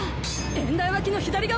演台脇の左側！